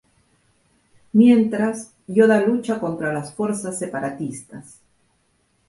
Mientras, Yoda lucha contra las fuerzas separatistas.